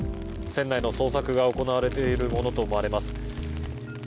船内の捜索が行われているものと思われます。